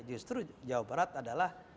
justru jawa barat adalah